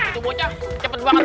itu bocah cepet banget